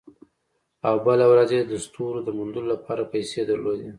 او بله ورځ یې د ستورو د موندلو لپاره پیسې درلودې